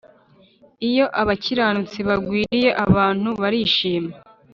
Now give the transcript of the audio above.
iyo abakiranutsi bagwiriye abantu barishima,